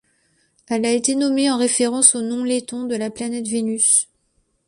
Elle a été nommée en référence au nom letton de la planète Vénus.